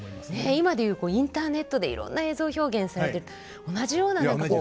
今でいうインターネットでいろんな映像表現されてる同じような何かこう。